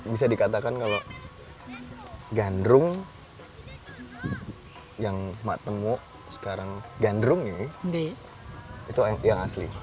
bisa dikatakan kalau gandrung yang emak temu sekarang gandrung ini itu yang asli